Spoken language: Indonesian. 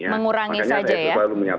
mengurangi saja ya